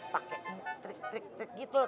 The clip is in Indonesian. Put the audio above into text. pakai trik trik gitu lah